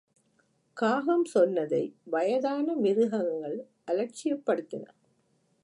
காகம் சொன்னதை வயதான மிருகங்கள் அலட்சியப்படுத்தின.